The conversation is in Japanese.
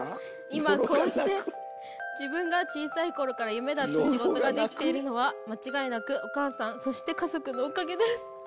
今こうして自分が小さい頃から夢だった仕事ができているのは間違いなくお母さんそして家族のおかげです。